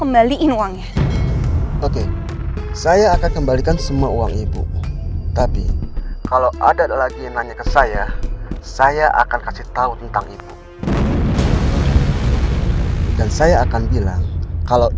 berani ya kamu ngancam saya sekarang ya